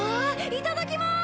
いただきまーす！